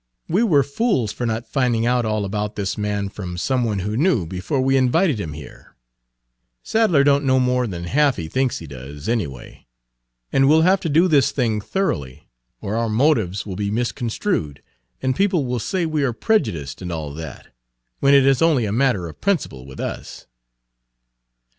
We were fools for not finding out all about this man from some one who knew, before we invited him here. Sadler don't know more than half he thinks he does, anyway. And we'll have to do this thing thoroughly, or our motives will be misconstrued, and people will say we are prejudiced and all that, when it is only a matter of principle with us."